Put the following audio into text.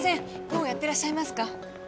もうやってらっしゃいますか？